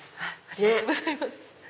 ありがとうございます。